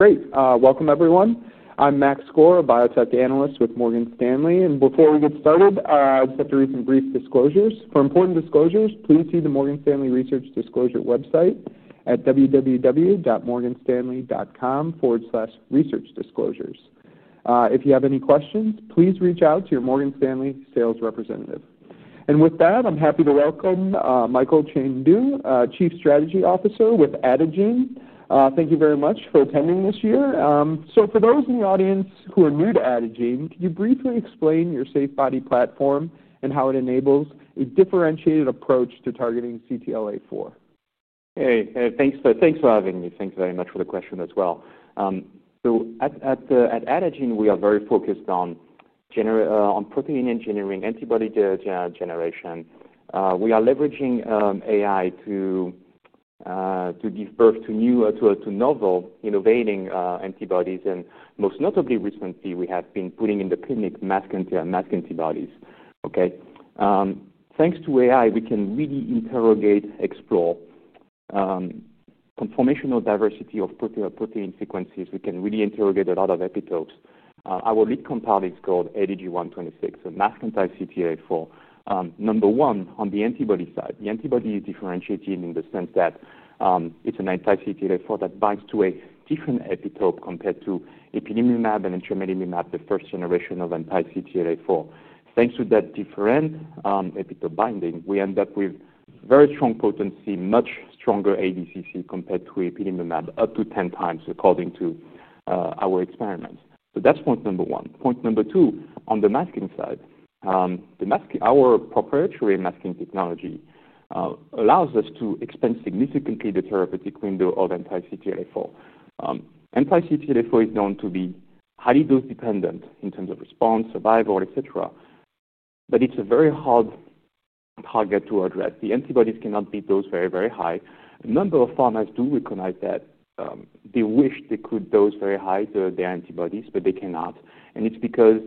Great. Welcome, everyone. I'm Max Skor, a biotech analyst with Morgan Stanley. Before we get started, I just have to read some brief disclosures. For important disclosures, please see the Morgan Stanley Research Disclosure website at www.morganstanley.com/researchdisclosures. If you have any questions, please reach out to your Morgan Stanley sales representative. With that, I'm happy to welcome Mickael Chane-Du, Chief Strategy Officer with Adagene Inc. Thank you very much for attending this year. For those in the audience who are new to Adagene, could you briefly explain your SAFEbody® platform and how it enables a differentiated approach to targeting CTLA-4? Hey, thanks for having me. Thank you very much for the question as well. At Adagene, we are very focused on protein engineering, antibody generation. We are leveraging AI to give birth to new, to novel, innovating antibodies. Most notably, recently, we have been putting in the clinic masked antibodies. Thanks to AI, we can really interrogate, explore conformational diversity of protein sequences. We can really interrogate a lot of epitopes. Our lead compound is called ADG126, so masked anti-CTLA-4, number one on the antibody side. The antibody is differentiated in the sense that it's an anti-CTLA-4 that binds to a different epitope compared to ipilimumab and tremelimumab, the first generation of anti-CTLA-4. Thanks to that different epitope binding, we end up with very strong potency, much stronger ADCC compared to ipilimumab, up to 10 times, according to our experiments. That's point number one. Point number two, on the masking side, our proprietary masking technology allows us to expand significantly the therapeutic window of anti-CTLA-4. Anti-CTLA-4 is known to be highly dose-dependent in terms of response, survival, etc. It's a very hard target to address. The antibodies cannot be dosed very, very high. A number of pharmacies do recognize that they wish they could dose very high their antibodies, but they cannot. It's because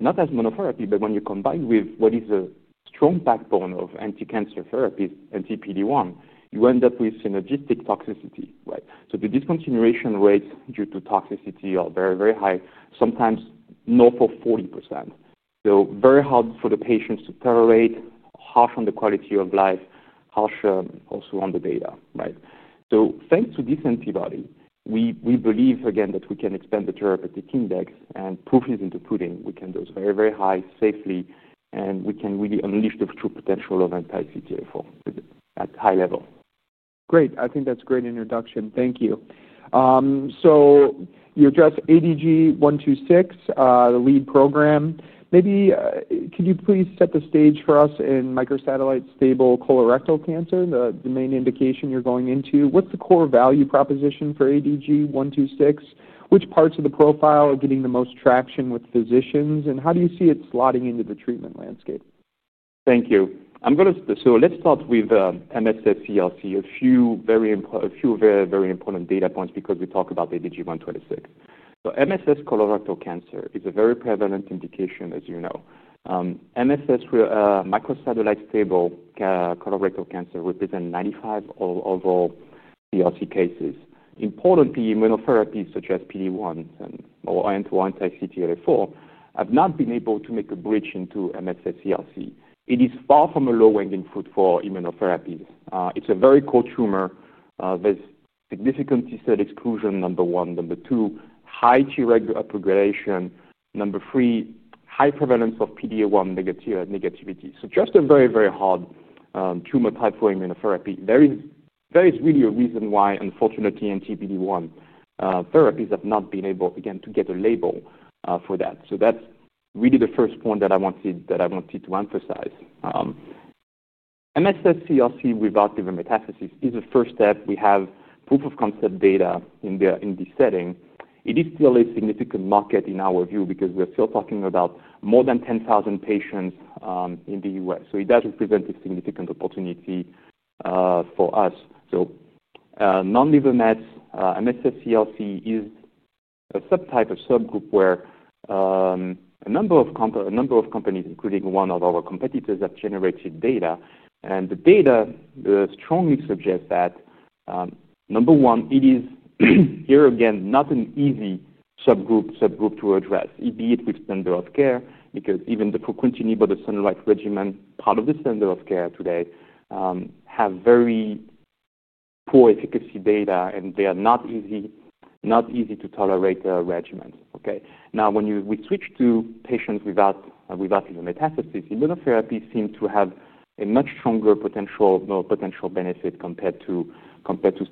not as monotherapy, but when you combine with what is a strong backbone of anti-cancer therapy, anti-PD-1, you end up with synergistic toxicity. The discontinuation rates due to toxicity are very, very high, sometimes north of 40%. It's very hard for the patients to tolerate, harsh on the quality of life, harsh also on the data. Thanks to this antibody, we believe, again, that we can expand the therapeutic index and proof it into pudding. We can dose very, very high safely. We can really unleash the true potential of anti-CTLA-4 at a high level. Great. I think that's a great introduction. Thank you. You address ADG126, the lead program. Maybe could you please set the stage for us in microsatellite stable colorectal cancer, the main indication you're going into? What's the core value proposition for ADG126? Which parts of the profile are getting the most traction with physicians? How do you see it slotting into the treatment landscape? Thank you. Let's start with MSS-CRC, a few very, very important data points because we talk about ADG126. MSS colorectal cancer is a very prevalent indication, as you know. MSS, microsatellite stable colorectal cancer, represents 95% of all CRC cases. Importantly, immunotherapies such as PD-1 or anti-CTLA-4 have not been able to make a bridge into MSS-CRC. It is far from a low-angle in food for immunotherapies. It's a very core tumor. There's significant T-cell exclusion, number one. Number two, high T-regulator upregulation. Number three, high prevalence of PD-1 negativity. Just a very, very hard tumor type for immunotherapy. There is really a reason why, unfortunately, anti-PD-1 therapies have not been able, again, to get a label for that. That's really the first point that I wanted to emphasize. MSS-CRC without liver metastasis is the first step. We have proof of concept data in this setting. It is still a significant market in our view because we are still talking about more than 10,000 patients in the U.S. It does represent a significant opportunity for us. Non-liver mets, MSS-CRC is a subtype, a subgroup where a number of companies, including one of our competitors, have generated data. The data strongly suggests that, number one, it is, here again, not an easy subgroup to address, be it with standard of care, because even the fruquintinib or the Sanofi regimen, part of the standard of care today, have very poor efficacy data. They are not easy to tolerate a regimen. Now, when we switch to patients without liver metastasis, immunotherapy seems to have a much stronger potential benefit compared to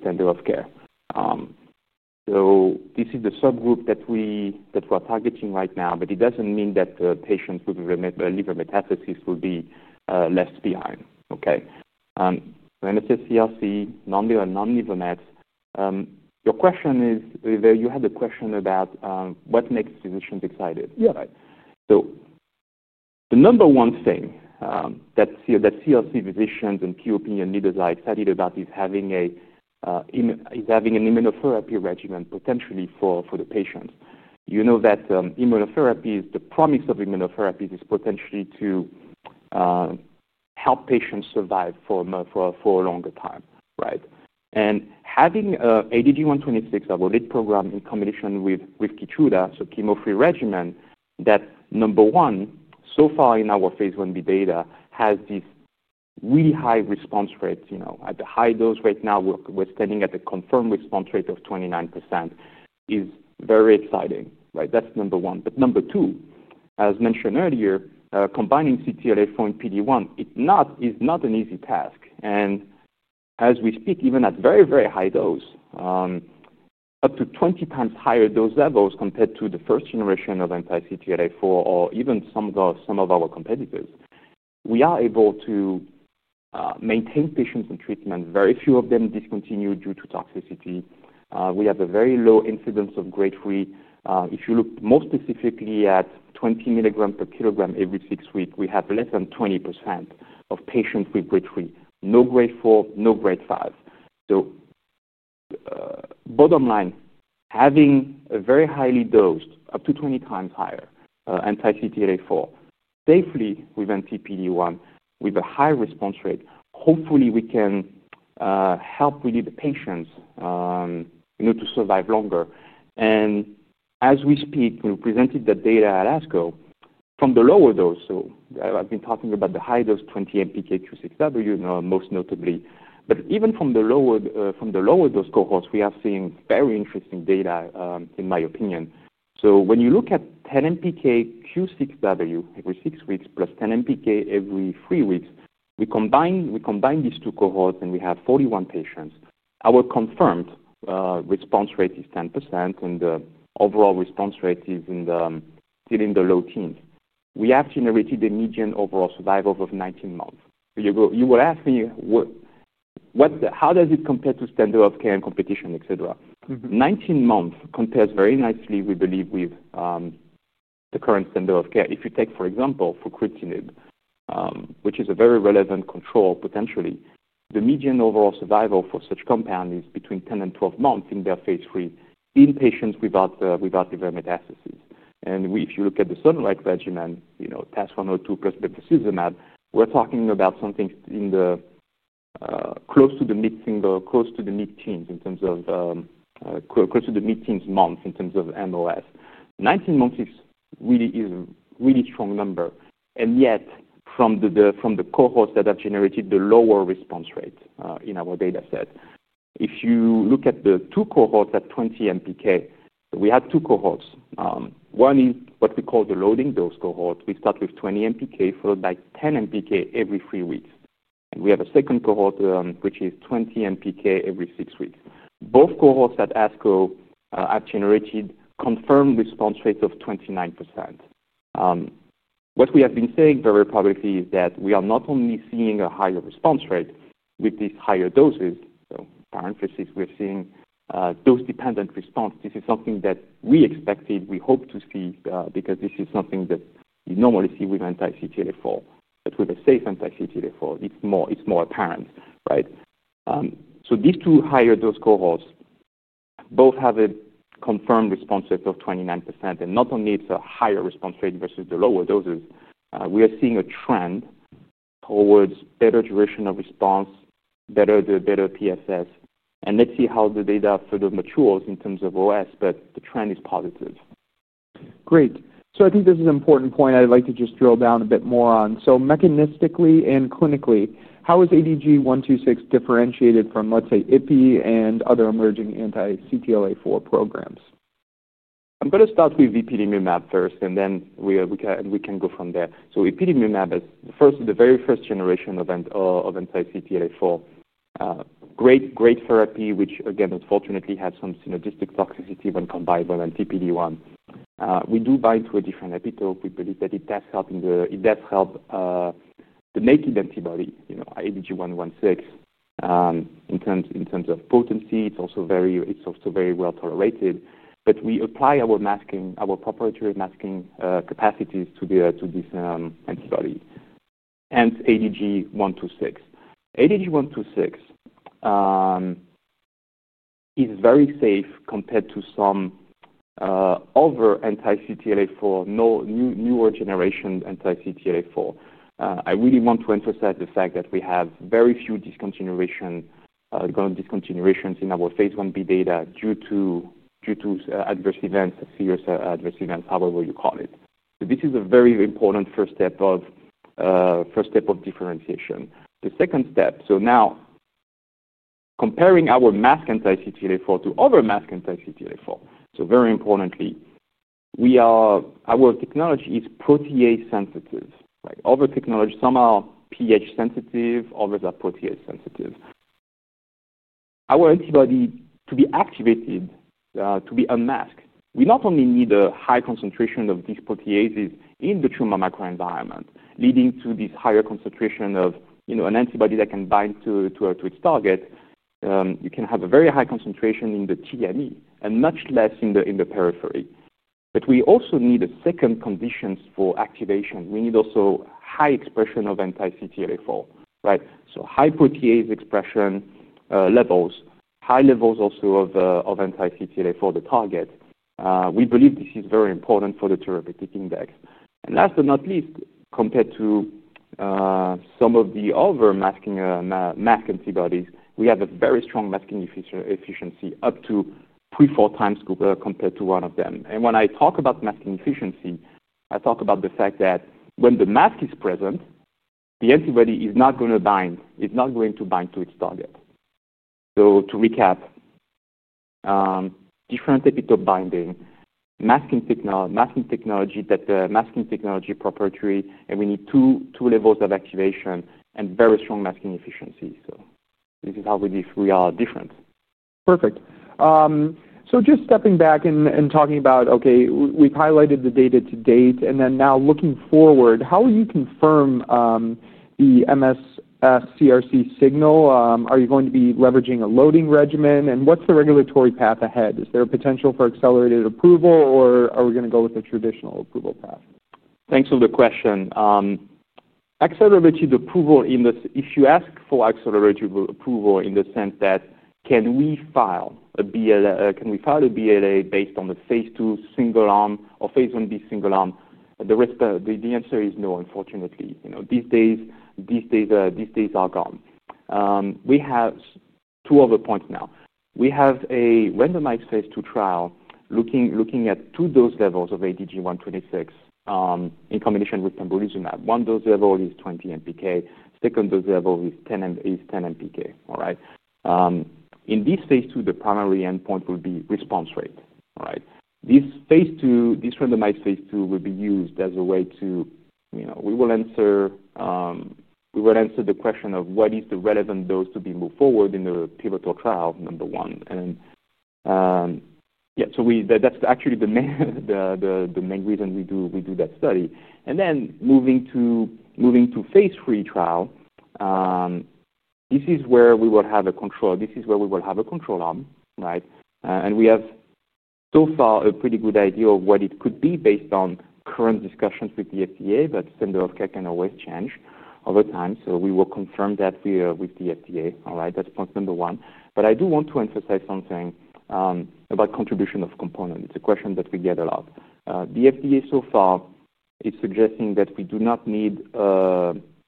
standard of care. This is the subgroup that we are targeting right now. It doesn't mean that the patients with liver metastasis will be left behind. MSS-CRC, non-liver mets. Your question is, you had a question about what makes physicians excited. Yeah. The number one thing that CRC physicians and QP and leaders are excited about is having an immunotherapy regimen potentially for the patient. You know that immunotherapies, the promise of immunotherapies is potentially to help patients survive for a longer time. Right, and having ADG126, our lead program, in combination with Keytruda, so chemo-free regimen, that's number one. So far in our phase 1B data, has this really high response rate. At the high dose right now, we're standing at a confirmed response rate of 29%. It is very exciting. That's number one. Number two, as mentioned earlier, combining CTLA-4 and PD-1 is not an easy task. As we speak, even at very, very high dose, up to 20 times higher dose levels compared to the first generation of anti-CTLA-4 or even some of our competitors, we are able to maintain patients on treatment. Very few of them discontinue due to toxicity. We have a very low incidence of grade 3. If you look more specifically at 20 milligrams per kilogram every six weeks, we have less than 20% of patients with grade 3, no grade 4, no grade 5. Bottom line, having a very highly dosed, up to 20 times higher anti-CTLA-4, safely with NCPD-1, with a high response rate, hopefully, we can help with the patients to survive longer. As we speak, we presented that data at ASCO from the lower dose. I've been talking about the high dose 20 mpK-Q6W, most notably. Even from the lower dose cohorts, we have seen very interesting data, in my opinion. When you look at 10 mpK-Q6W every six weeks plus 10 mpK every three weeks, we combine these two cohorts, and we have 41 patients. Our confirmed response rate is 10%. The overall response rate is still in the low teens. We have generated a median overall survival of 19 months. You will ask me, how does it compare to standard of care and competition, et cetera? 19 months compares very nicely, we believe, with the current standard of care. If you take, for example, fruquintinib, which is a very relevant control, potentially, the median overall survival for such compound is between 10 and 12 months in their phase 3 in patients without liver metastasis. If you look at the TAS-102 plus bevacizumab regimen, we're talking about something close to the mid teens in terms of months in terms of median overall survival. 19 months is really a really strong number. Yet, from the cohorts that have generated the lower response rate in our data set, if you look at the two cohorts at 20 mpK, we have two cohorts. One is what we call the loading dose cohort. We start with 20 mpK, followed by 10 mpK every three weeks. We have a second cohort, which is 20 mpK every six weeks. Both cohorts at ASCO have generated confirmed response rates of 29%. What we have been saying very publicly is that we are not only seeing a higher response rate with these higher doses, so, we're seeing dose-dependent response. This is something that we expected, we hope to see, because this is something that you normally see with anti-CTLA-4. With a safe anti-CTLA-4, it's more apparent. These two higher dose cohorts both have a confirmed response rate of 29%. Not only is it a higher response rate versus the lower doses, we are seeing a trend towards better duration of response, better PFS. Let's see how the data further matures in terms of OS. The trend is positive. Great. I think this is an important point I'd like to just drill down a bit more on. Mechanistically and clinically, how is ADG126 differentiated from, let's say, ipi and other emerging anti-CTLA-4 programs? I'm going to start with ipilimumab first, and then we can go from there. So ipilimumab is first the very first generation of anti-CTLA-4, great therapy, which, again, unfortunately, has some synergistic toxicity when combined with anti-PD-1. We do bind to a different epitope. We believe that it does help the naked antibody, ADG116. In terms of potency, it's also very well tolerated. We apply our proprietary masking capacities to this antibody, hence ADG126. ADG126 is very safe compared to some other anti-CTLA-4, newer generation anti-CTLA-4. I really want to emphasize the fact that we have very few discontinuations in our phase 1B data due to adverse events, serious adverse events, however you call it. This is a very important first step of differentiation. The second step, now comparing our masked anti-CTLA-4 to other masked anti-CTLA-4, very importantly, our technology is protease sensitive. Like other technologies, some are pH sensitive, others are protease sensitive. Our antibody, to be activated, to be unmasked, we not only need a high concentration of these proteases in the tumor microenvironment, leading to this higher concentration of an antibody that can bind to its target. You can have a very high concentration in the TME and much less in the periphery. We also need a second condition for activation. We need also high expression of anti-CTLA-4, so high protease expression levels, high levels also of anti-CTLA-4 the target. We believe this is very important for the therapeutic index. Last but not least, compared to some of the other masking antibodies, we have a very strong masking efficiency, up to three to four times compared to one of them. When I talk about masking efficiency, I talk about the fact that when the mask is present, the antibody is not going to bind. It's not going to bind to its target. To recap, different epitope binding, masking technology that the masking technology proprietary, and we need two levels of activation and very strong masking efficiencies. This is how we are different. Perfect. Just stepping back and talking about, OK, we've highlighted the data to date. Now looking forward, how will you confirm the MSS-CRC signal? Are you going to be leveraging a loading regimen? What's the regulatory path ahead? Is there a potential for accelerated approval, or are we going to go with the traditional approval path? Thanks for the question. Accelerated approval, if you ask for accelerated approval in the sense that can we file a BLA based on the phase 2 single arm or phase 1B single arm? The answer is no, unfortunately. These days are gone. We have two other points now. We have a randomized phase 2 trial looking at two dose levels of ADG126 in combination with Keytruda® (pembrolizumab). One dose level is 20 mg/kg. Second dose level is 10 mg/kg. In this phase 2, the primary endpoint will be response rate. This randomized phase 2 will be used as a way to answer the question of what is the relevant dose to be moved forward in the pivotal trial, number one. That's actually the main reason we do that study. Then moving to phase 3 trial, this is where we will have a control. This is where we will have a control arm. We have so far a pretty good idea of what it could be based on current discussions with the FDA. Standard of care can always change over time. We will confirm that with the FDA. That's point number one. I do want to emphasize something about contribution of components. It's a question that we get a lot. The FDA so far is suggesting that we do not need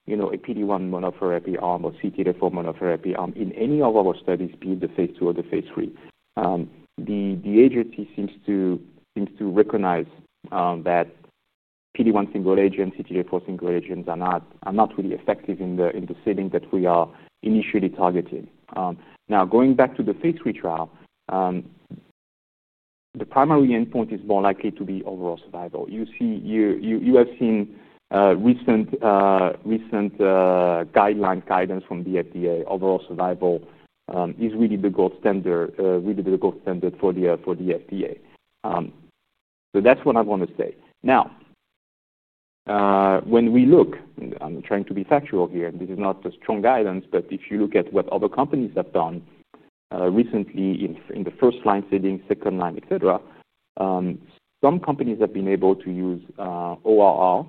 a PD-1 monotherapy arm or CTLA-4 monotherapy arm in any of our studies, be it the phase 2 or the phase 3. The agency seems to recognize that PD-1 single agents, CTLA-4 single agents are not really effective in the setting that we are initially targeting. Now, going back to the phase 3 trial, the primary endpoint is more likely to be overall survival. You have seen recent guidance from the FDA. Overall survival is really the gold standard, really the gold standard for the FDA. That's what I want to say. When we look, I'm trying to be factual here. This is not a strong guidance. If you look at what other companies have done recently in the first-line setting, second-line, etc., some companies have been able to use ORR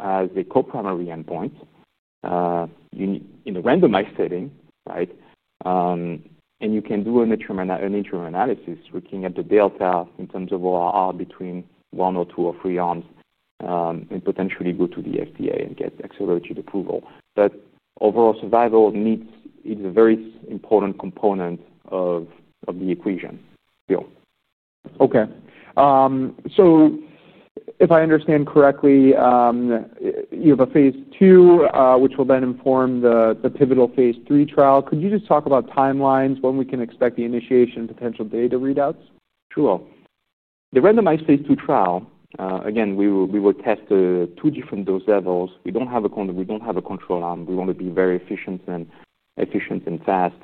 as a co-primary endpoint in a randomized setting. You can do an interim analysis looking at the delta in terms of ORR between one or two or three arms and potentially go to the FDA and get accelerated approval. Overall survival is a very important component of the equation. OK, so if I understand correctly, you have a phase 2, which will then inform the pivotal phase 3 trial. Could you just talk about timelines, when we can expect the initiation and potential data readouts? Sure. The randomized phase 2 trial, again, we will test two different dose levels. We don't have a control arm. We want to be very efficient and fast.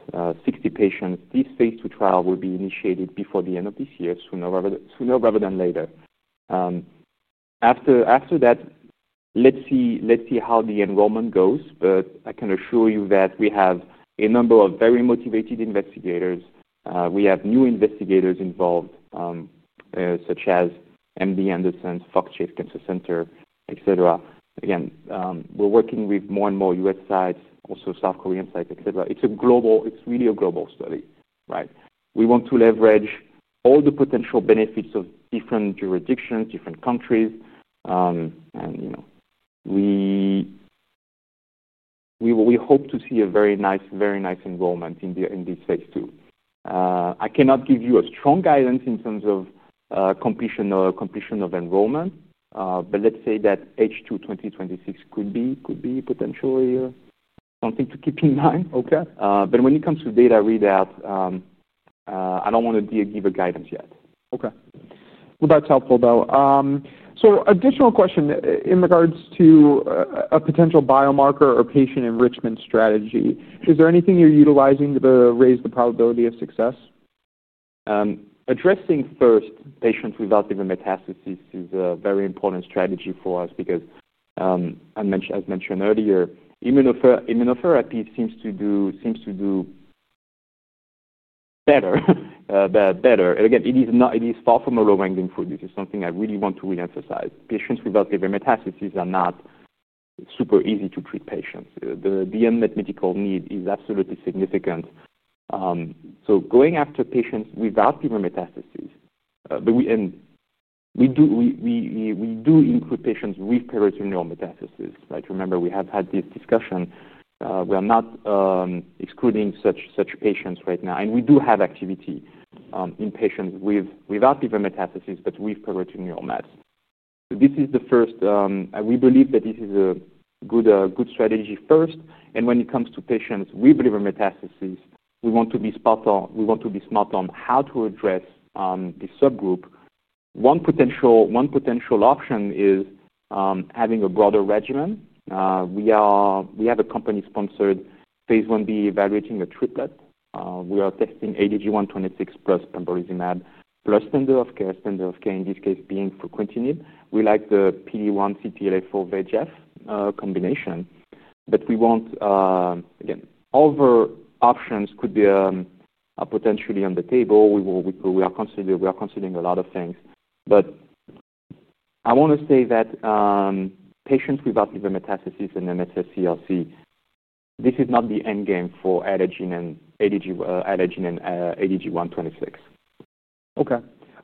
60 patients. This phase 2 trial will be initiated before the end of this year, sooner rather than later. After that, let's see how the enrollment goes. I can assure you that we have a number of very motivated investigators. We have new investigators involved, such as MD Anderson, Fox Chase Cancer Center, et cetera. Again, we're working with more and more U.S. sites, also South Korean sites, et cetera. It's really a global study. We want to leverage all the potential benefits of different jurisdictions, different countries. We hope to see a very nice, very nice enrollment in this phase 2. I cannot give you a strong guidance in terms of completion of enrollment. Let's say that H2-2026 could be potentially something to keep in mind. OK, but when it comes to data readout, I don't want to give a guidance yet. OK, that's helpful. Additional question in regards to a potential biomarker or patient enrichment strategy. Is there anything you're utilizing to raise the probability of success? Addressing first patients without liver metastasis is a very important strategy for us because, as mentioned earlier, immunotherapy seems to do better. It is far from a low-hanging fruit. This is something I really want to reemphasize. Patients without liver metastasis are not super easy to treat patients. The unmet medical need is absolutely significant. Going after patients without liver metastasis, and we do include patients with peritoneal metastasis. Right, remember, we have had this discussion. We are not excluding such patients right now. We do have activity in patients without liver metastasis, but with peritoneal mets. This is the first, and we believe that this is a good strategy first. When it comes to patients with liver metastasis, we want to be smart on how to address this subgroup. One potential option is having a broader regimen. We have a company-sponsored phase 1B evaluating a triplet. We are testing ADG126 plus Keytruda® (pembrolizumab) plus standard of care, standard of care, in this case, being fruquintinib. We like the PD-1 CTLA-4 VEGF combination. Other options could be potentially on the table. We are considering a lot of things. I want to say that patients without liver metastasis and MSS-CRC, this is not the end game for ADG126. OK,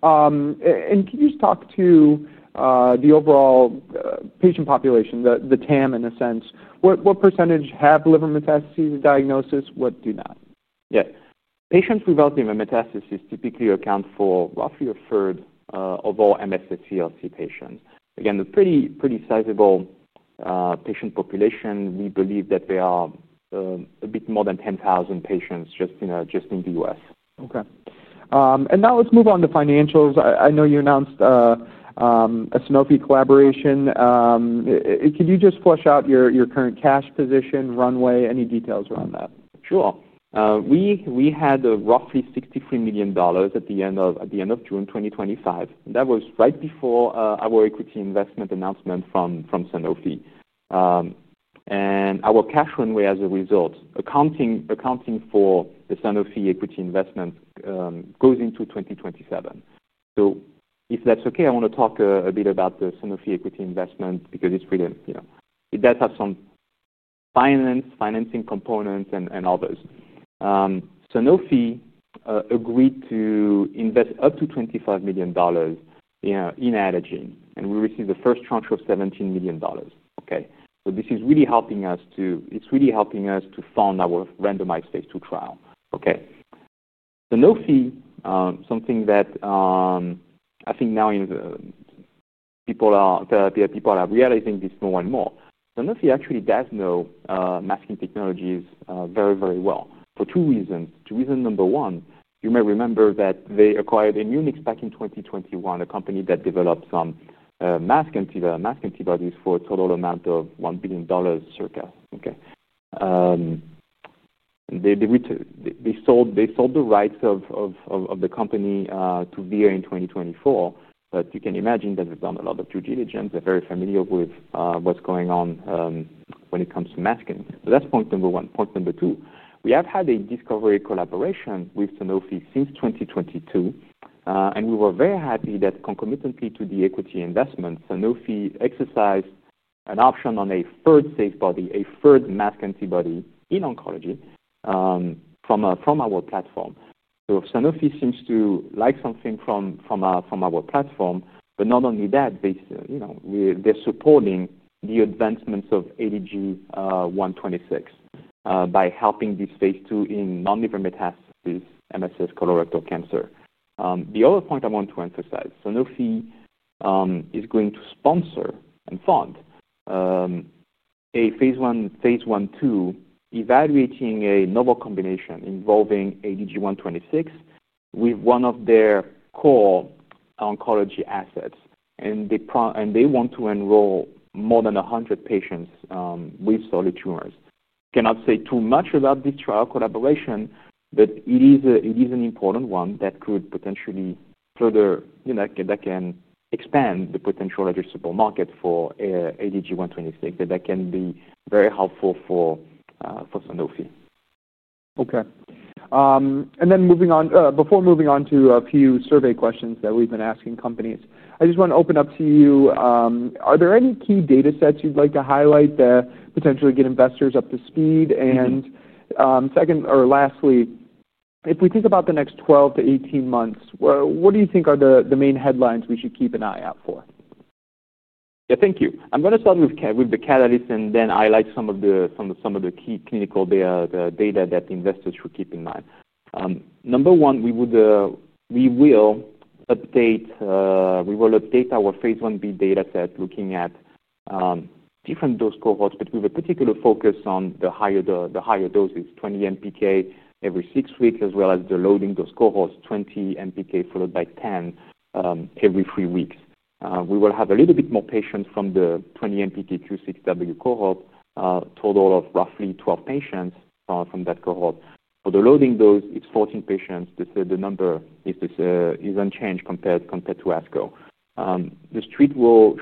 can you just talk to the overall patient population, the TAM, in a sense? What percentage have liver metastasis diagnosis? What do not? Yeah, patients without liver metastasis typically account for roughly a third of all MSS-CRC patients. Again, a pretty sizable patient population. We believe that there are a bit more than 10,000 patients just in the U.S. OK, now let's move on to financials. I know you announced a SNOWPEA collaboration. Could you just flesh out your current cash position, runway, any details around that? Sure. We had roughly $63 million at the end of June 2025. That was right before our equity investment announcement from SNOWPEA. Our cash runway, as a result, accounting for the SNOWPEA equity investment, goes into 2027. If that's OK, I want to talk a bit about the SNOWPEA equity investment because it does have some financing components and others. SNOWPEA agreed to invest up to $25 million in Adagene. We received the first tranche of $17 million. This is really helping us to fund our randomized phase 2 trial. SNOWPEA, something that I think now people are, therapy people are realizing this more and more. SNOWPEA actually does know masking technologies very, very well for two reasons. Reason number one, you may remember that they acquired Immunix back in 2021, a company that developed some masked antibodies for a total amount of $1 billion circa. They sold the rights of the company to VIA in 2024. You can imagine that they've done a lot of due diligence. They're very familiar with what's going on when it comes to masking. That's point number one. Point number two, we have had a discovery collaboration with SNOWPEA since 2022. We were very happy that, concomitantly to the equity investment, SNOWPEA exercised an option on a third SAFEbody® antibody in oncology from our platform. SNOWPEA seems to like something from our platform. Not only that, they're supporting the advancements of ADG126 by helping this phase 2 in non-liver metastasis, MSS colorectal cancer. The other point I want to emphasize, SNOWPEA is going to sponsor and fund a phase 1/2 evaluating a novel combination involving ADG126 with one of their core oncology assets. They want to enroll more than 100 patients with solid tumors. I cannot say too much about this trial collaboration. It is an important one that could potentially further, you know, that can expand the potential addressable market for ADG126. That can be very helpful for SNOWPEA. OK, and before moving on to a few survey questions that we've been asking companies, I just want to open up to you. Are there any key data sets you'd like to highlight that potentially get investors up to speed? If we think about the next 12 to 18 months, what do you think are the main headlines we should keep an eye out for? Yeah, thank you. I'm going to start with the catalyst and then highlight some of the key clinical data that investors should keep in mind. Number one, we will update our phase 1B data set, looking at different dose cohorts, but with a particular focus on the higher doses, 20 mg/kg every six weeks, as well as the loading dose cohorts, 20 mg/kg followed by 10 every three weeks. We will have a little bit more patients from the 20 mg/kg-Q6W cohort, a total of roughly 12 patients from that cohort. For the loading dose, it's 14 patients. The number is unchanged compared to ASCO. The street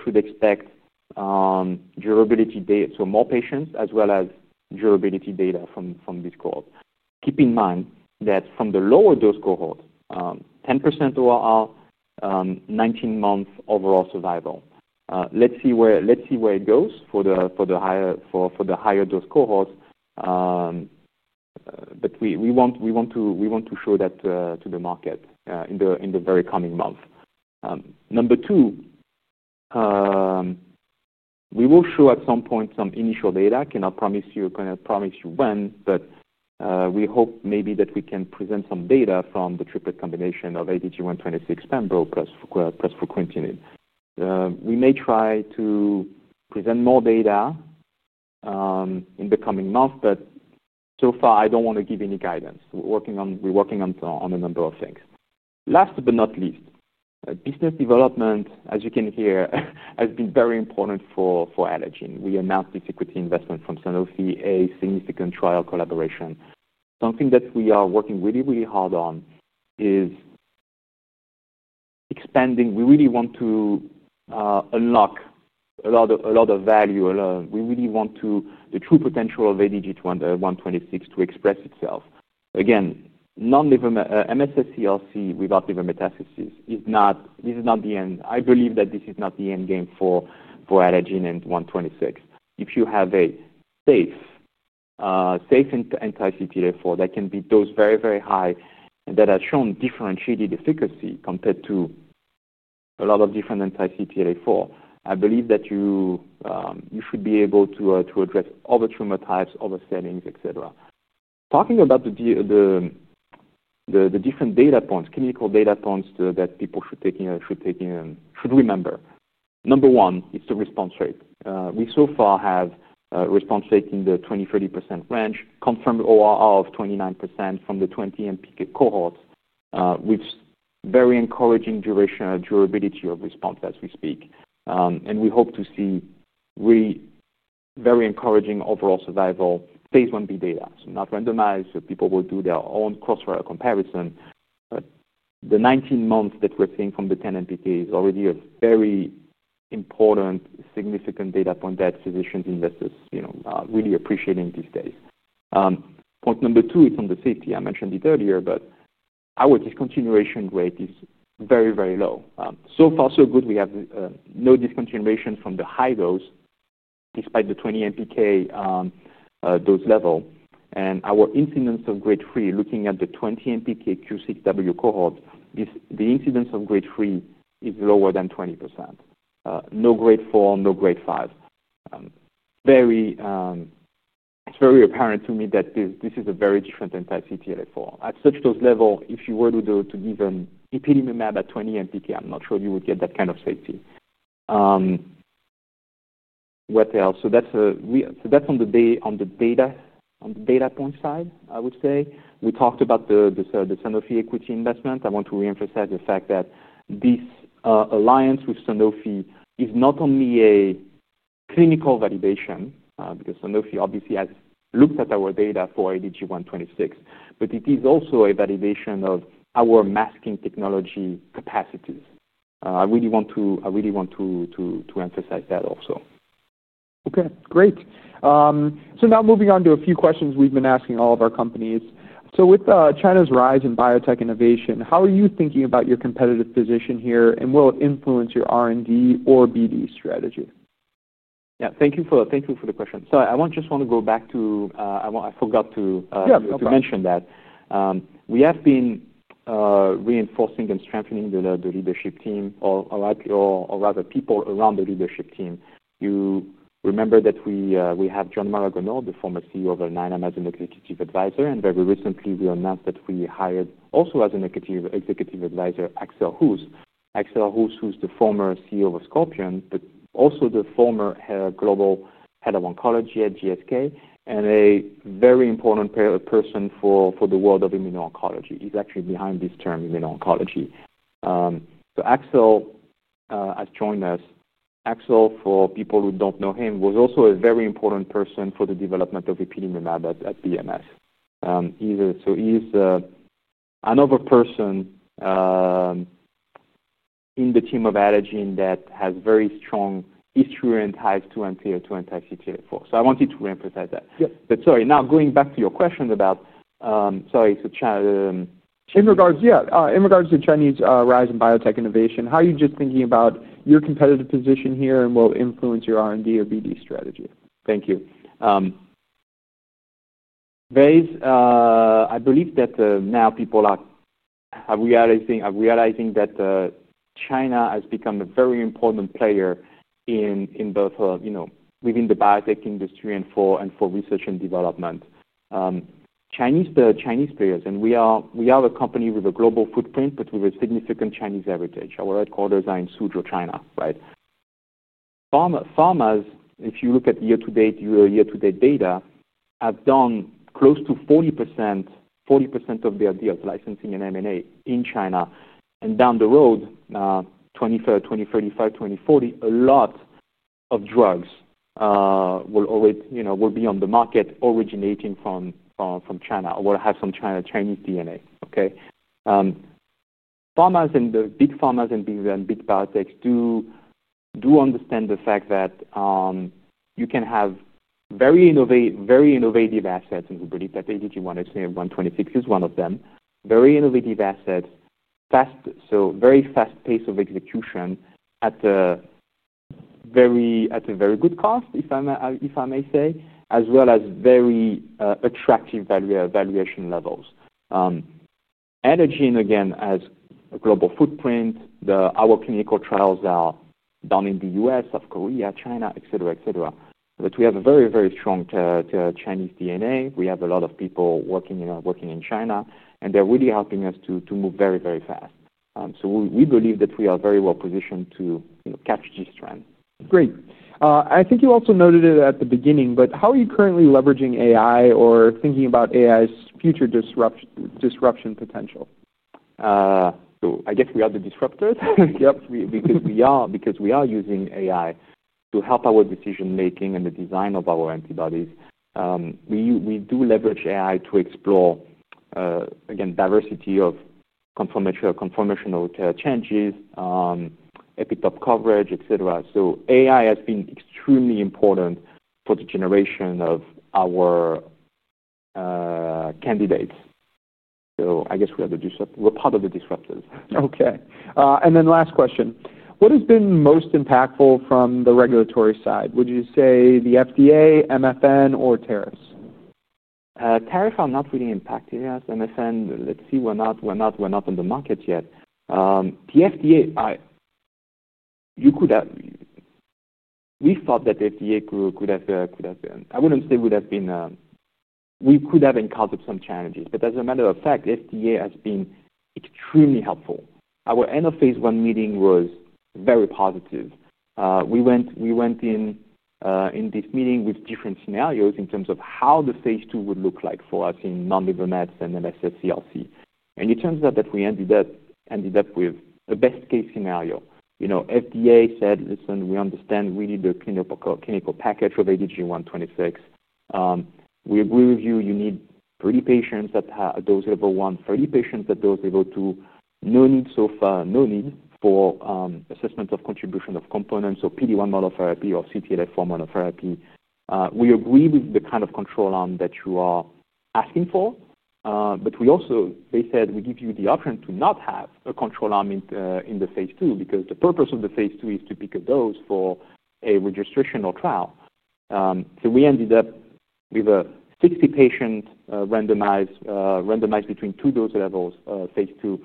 should expect durability data, so more patients, as well as durability data from this cohort. Keep in mind that from the lower dose cohort, 10% ORR, 19 months overall survival. Let's see where it goes for the higher dose cohort. We want to show that to the market in the very coming months. Number two, we will show at some point some initial data. Cannot promise you when. We hope maybe that we can present some data from the triplet combination of ADG126, pembrolizumab plus fruquintinib. We may try to present more data in the coming months. So far, I don't want to give any guidance. We're working on a number of things. Last but not least, business development, as you can hear, has been very important for Adagene. We announced this equity investment from Sanofi, a significant trial collaboration. Something that we are working really, really hard on is expanding. We really want to unlock a lot of value. We really want the true potential of ADG126 to express itself. Again, non-MSS-CRC without liver metastasis is not, this is not the end. I believe that this is not the end game for Adagene and 126. If you have a safe anti-CTLA-4 that can be dosed very, very high and that has shown differentiated efficacy compared to a lot of different anti-CTLA-4, I believe that you should be able to address other tumor types, other settings, etc. Talking about the different data points, clinical data points that people should remember, number one, it's the response rate. We so far have a response rate in the 20%, 30% range, confirmed ORR of 29% from the 20 mg/kg cohorts, with very encouraging durability of response as we speak. We hope to see very encouraging overall survival, phase 1B data. Not randomized. People will do their own cross-trial comparison. The 19 months that we're seeing from the 10 mg/kg is already a very important, significant data point that physicians and investors are really appreciating these days. Point number two is on the safety. I mentioned it earlier. Our discontinuation rate is very, very low. So far, so good. We have no discontinuation from the high dose, despite the 20 mg/kg dose level. Our incidence of grade 3, looking at the 20 mg/kg-Q6W cohort, the incidence of grade 3 is lower than 20%. No grade 4, no grade 5. It's very apparent to me that this is a very different anti-CTLA-4. At such dose level, if you were to give an ipilimumab at 20 mg/kg, I'm not sure you would get that kind of safety. What else? That's on the data point side, I would say. We talked about the SNOWPEA equity investment. I want to reemphasize the fact that this alliance with SNOWPEA is not only a clinical validation because SNOWPEA obviously has looked at our data for ADG126. It is also a validation of our masking technology capacities. I really want to emphasize that also. OK, great. Now moving on to a few questions we've been asking all of our companies. With China's rise in biotech innovation, how are you thinking about your competitive position here? Will it influence your R&D or BD strategy? Thank you for the question. I just want to go back to, I forgot to mention that we have been reinforcing and strengthening the leadership team, or rather people around the leadership team. You remember that we have John Maraganore, the former CEO of Alnylam, as an executive advisor. Very recently, we announced that we hired, also as an executive advisor, Axel Hoos. Axel Hoos, who's the former CEO of Scorpion, but also the former global head of oncology at GSK, and a very important person for the world of immuno-oncology. He's actually behind this term, immuno-oncology. Axel has joined us. Axel, for people who don't know him, was also a very important person for the development of ipilimumab at BMS. He's another person in the team of Adagene that has very strong historical ties to anti-CTLA-4. I wanted to reemphasize that. Sorry, now going back to your question about China. In regards to Chinese rise in biotech innovation, how are you just thinking about your competitive position here? Will it influence your R&D or BD strategy? Thank you. I believe that now people are realizing that China has become a very important player both within the biotech industry and for research and development. Chinese players, and we are a company with a global footprint, but with a significant Chinese heritage. Our headquarters are in Suzhou, China. Pharmas, if you look at year-to-date data, have done close to 40% of their deals, licensing and M&A in China. Down the road, 2035, 2040, a lot of drugs will be on the market originating from China or will have some Chinese DNA. Pharmas and the big pharmas and big biotechs do understand the fact that you can have very innovative assets. We believe that ADG126 is one of them. Very innovative assets, very fast pace of execution at a very good cost, if I may say, as well as very attractive valuation levels. Adagene, again, has a global footprint. Our clinical trials are done in the U.S., South Korea, China, et cetera, et cetera. We have a very, very strong Chinese DNA. We have a lot of people working in China, and they're really helping us to move very, very fast. We believe that we are very well positioned to catch this trend. Great. I think you also noted it at the beginning. How are you currently leveraging AI or thinking about AI's future disruption potential? I guess we are the disruptors. Yep, because we are using AI to help our decision-making and the design of our antibodies. We do leverage AI to explore, again, diversity of conformational changes, epitope coverage, et cetera. AI has been extremely important for the generation of our candidates. I guess we are part of the disruptors. OK, and then last question. What has been most impactful from the regulatory side? Would you say the FDA, MFN, or tariffs? Tariffs are not really impacting us. MFN, let's see. We're not on the market yet. We thought that the FDA could have, I wouldn't say would have been, we could have encountered some challenges. As a matter of fact, the FDA has been extremely helpful. Our end of phase 1 meeting was very positive. We went in this meeting with different scenarios in terms of how the phase 2 would look like for us in non-liver mets and MSS-CRC. It turns out that we ended up with a best-case scenario. FDA said, listen, we understand we need a clinical package of ADG126. We agree with you. You need 30 patients at dose level 1, 30 patients at dose level 2. No need so far, no need for assessment of contribution of components or PD-1 monotherapy or CTLA-4 monotherapy. We agree with the kind of control arm that you are asking for. They said, we give you the option to not have a control arm in the phase 2 because the purpose of the phase 2 is to pick a dose for a registration or trial. We ended up with a 60-patient randomized between two dose levels, phase 2.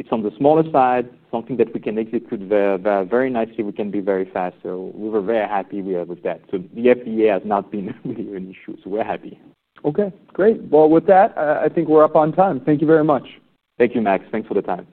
It's on the smaller side, something that we can execute very nicely. We can be very fast. We were very happy with that. The FDA has not been really an issue. We're happy. OK, great. With that, I think we're up on time. Thank you very much. Thank you, Max. Thanks for the time.